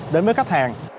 chúng tôi mới cấp hàng